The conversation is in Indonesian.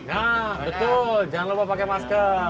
nah betul jangan lupa pakai masker